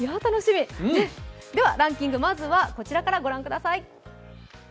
ではランキング、まずはこちらからご覧ください。